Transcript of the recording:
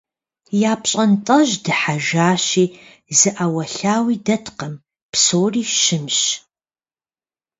Я пщӀантӀэжь дыхьэжащи зы Ӏэуэлъауи дэткъым, псори щымщ.